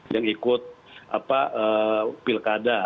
yang ikut pilkada